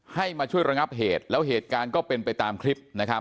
ให้มาช่วยระงับเหตุแล้วเหตุการณ์ก็เป็นไปตามคลิปนะครับ